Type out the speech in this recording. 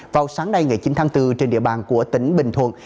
vào sáng nay ngày chín tháng bốn trên địa bàn của tỉnh bình thuận